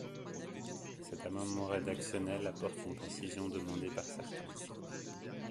Cet amendement rédactionnel apporte une précision demandée par certains.